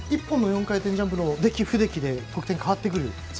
１本の４回転ジャンプの出来、不出来で得点が変わってくると。